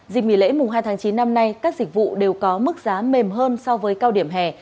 dịp nghỉ lễ mùng hai tháng chín năm nay các dịch vụ đều có mức giá mềm hơn so với cao điểm hè